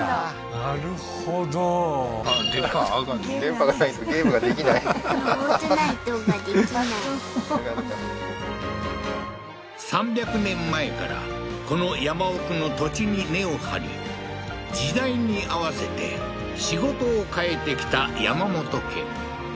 ナイトがで３００年前からこの山奥の土地に根を張り時代に合わせて仕事を変えてきた山本家